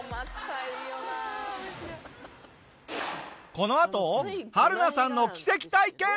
このあと春菜さんの奇跡体験！